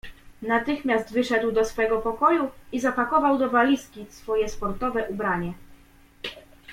"Natychmiast wyszedł do swego pokoju i zapakował do walizki swoje sportowe ubranie."